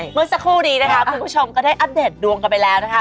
เมื่อสักครู่นี้นะคะคุณผู้ชมก็ได้อัปเดตดวงกันไปแล้วนะคะ